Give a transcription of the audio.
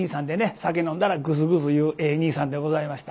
酒飲んだらグズグズ言うええ兄さんでございました。